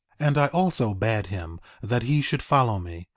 4:25 And I also bade him that he should follow me.